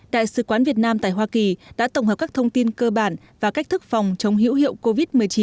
đại sứ quán việt nam tại hoa kỳ đã tổng hợp các thông tin cơ bản và cách thức phòng chống hữu hiệu covid một mươi chín